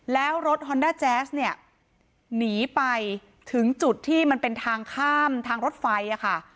แล้วรถฮอนด้าแจ๊สเนี่ยหนีไปถึงจุดที่มันเป็นทางข้ามทางรถไฟค่ะ